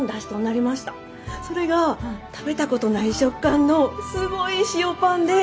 それが食べたことない食感のすごい塩パンで。